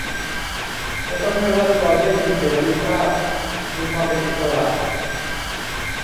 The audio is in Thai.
จะต้องให้ราษฎรได้มีเสรีภาพ มีความเป็นอิสระ